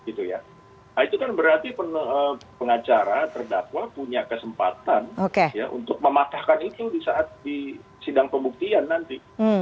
itu kan berarti pengacara terdakwa punya kesempatan untuk mematahkan itu di saat di sidang pembuktian nanti